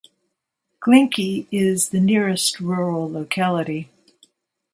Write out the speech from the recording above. Glinki is the nearest rural locality.